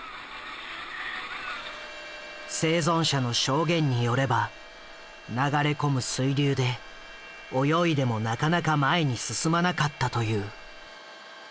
生存者の証言によれば流れ込む水流で泳いでもなかなか前に進まなかったという。